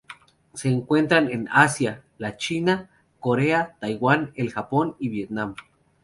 Se encuentran en Asia: la China, Corea, Taiwán, el Japón y Vietnam.